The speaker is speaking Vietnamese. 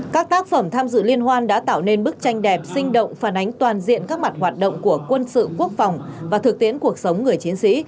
các tác phẩm tham dự liên hoan đã tạo nên bức tranh đẹp sinh động phản ánh toàn diện các mặt hoạt động của quân sự quốc phòng và thực tiễn cuộc sống người chiến sĩ